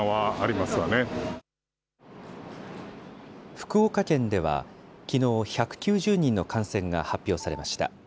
福岡県では、きのう、１９０人の感染が発表されました。